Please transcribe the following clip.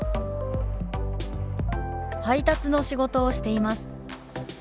「配達の仕事をしています」。